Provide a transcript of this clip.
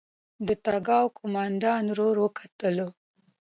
د تګاو قوماندان ورور وکتل.